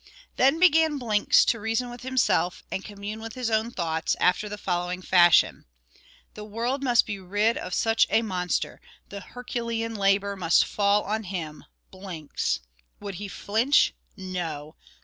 Then began Blinks to reason with himself and commune with his own thoughts, after the following fashion: "The world must be rid of such a monster, the Herculean labour must fall on him Blinks. Would he flinch? No!